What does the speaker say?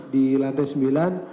di lantai sembilan